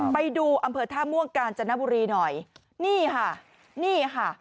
ไปดูอำเภอท่าม่วงกาญจนบุรีหน่อยนี่ค่ะนี่ค่ะ